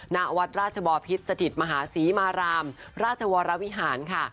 ณวัดราชบอพิษสถิตมหาศรีมารามราชวรวิหารค่ะ